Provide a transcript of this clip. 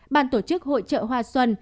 bàn tổ chức hội trợ hoa xuân